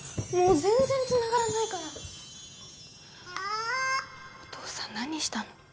もう全然つながらないからお父さん何したの？